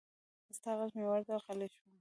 ستا غږ مې واورېد، غلی شوم